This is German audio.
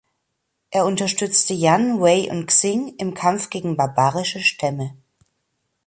Er unterstützte Yan, Wei und Xing im Kampf gegen barbarische Stämme.